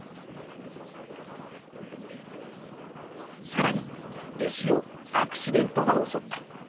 更に弟子をアクシデントが襲った。